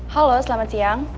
halo selamat siang